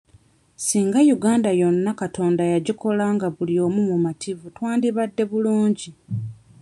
Singa Uganda yonna Katonda yagikola nga buli omu mumativu twandibadde bulungi.